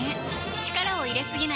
力を入れすぎない